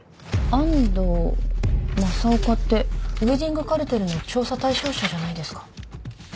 安藤政岡ってウエディングカルテルの調査対象者じゃないですか。